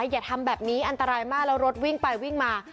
อย่าทำแบบนี้อันตรายมากแล้วรถวิ่งไปวิ่งมา